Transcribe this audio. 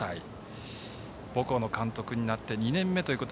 母校の監督になって２年目。